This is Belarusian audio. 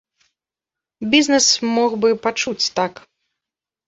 Бізнэс мог бы пачуць, так.